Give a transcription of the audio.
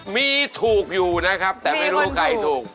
มีถูกอยู่นะครับแต่ไม่รู้ใครถูก